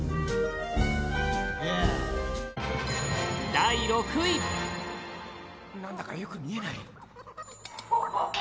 第６位アラジン：何だかよく見えない。